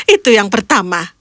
itu yang pertama